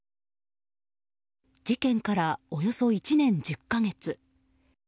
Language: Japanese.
事件からおよそ１年１０か月。